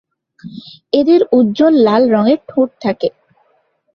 এদের উজ্জ্বল লাল রঙের ঠোঁট থাকে।